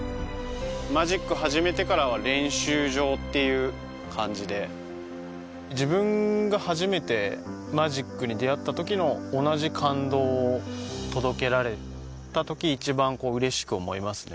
マジック始めてからは練習場っていう感じで自分が初めてマジックに出会ったときの同じ感動を届けられたとき一番嬉しく思いますね